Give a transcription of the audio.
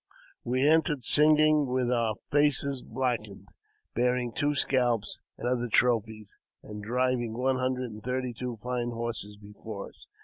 We entered singing, with our faces blackened, bearing two scalps and other trophies, and driving one hundred and thirty two fine horses before us.